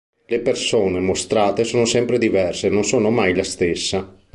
Le persone mostrate sono sempre diverse e non sono mai la stessa.